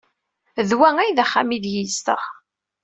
D wa ay d axxam aydeg yezdeɣ.